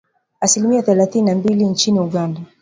Asilimia thelathini na mbili nchini Uganda